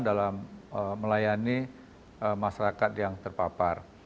dalam melayani masyarakat yang terpapar